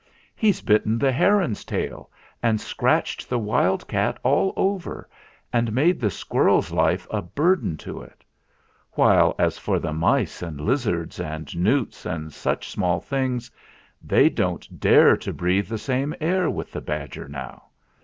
He's bit ten the heron's tail, and scratched the wild cat all over, and made the squirrel's life a burden to it; while as for the mice and lizards and 264 THE FLINT HEART newts and such small things, they can't dare to breathe the same air with the badger now.